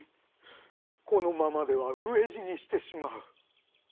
このままではうえじにしてしまう。